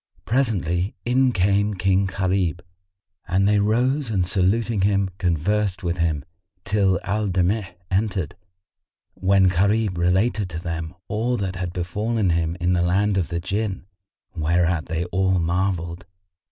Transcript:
Presently in came King Gharib, and they rose and saluting him, conversed with him, till Al Damigh entered, when Gharib related to them all that had befallen him in the land of the Jinn, whereat they all marvelled.